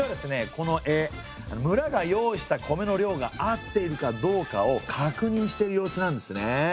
この絵村が用意した米の量が合っているかどうかをかくにんしている様子なんですね。